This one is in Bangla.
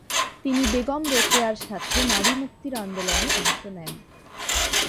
তিনি বেগম রোকেয়ার সাথে নারীমুক্তির আন্দোলনে অংশ নেন।